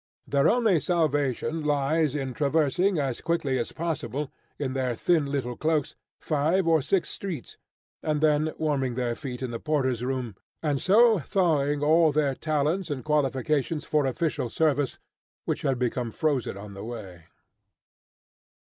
Their only salvation lies in traversing as quickly as possible, in their thin little cloaks, five or six streets, and then warming their feet in the porter's room, and so thawing all their talents and qualifications for official service, which had become frozen on the way.